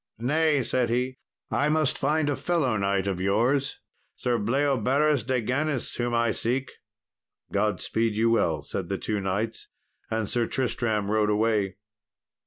"Nay," said he, "I must find a fellow knight of yours, Sir Bleoberis de Ganis, whom I seek." "God speed you well," said the two knights; and Sir Tristram rode away.